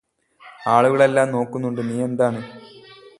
ആളുകളെല്ലാം നോക്കുന്നുന്നുണ്ട് നീയെന്താണ്